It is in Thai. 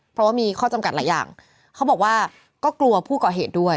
เพราะว่ามีข้อจำกัดหลายอย่างเขาบอกว่าก็กลัวผู้ก่อเหตุด้วย